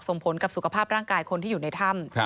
ผลกับสุขภาพร่างกายคนที่อยู่ในถ้ำ